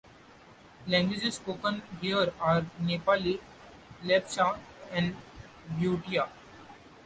Languages spoken here are Nepali, Lepcha and Bhutia.